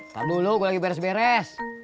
taduh lu gue lagi beres beres